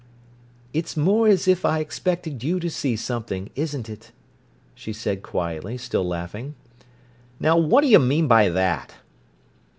"It's more as if I expected you to see something, isn't it?" she said quietly, still laughing. "Now, what do you mean by that?"